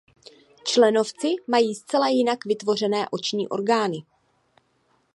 Členovci mají zcela jinak vytvořené oční orgány.